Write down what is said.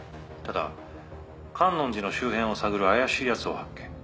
ただ観音寺の周辺を探る怪しい奴を発見。